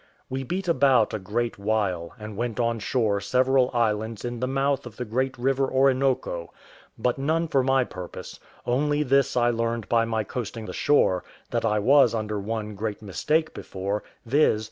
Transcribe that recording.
We beat about a great while, and went on shore on several islands in the mouth of the great river Orinoco, but none for my purpose; only this I learned by my coasting the shore, that I was under one great mistake before, viz.